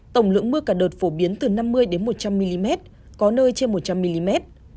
tổng lượng mưa cả đợt phổ biến từ năm mươi một trăm linh mm có nơi trên một trăm linh mm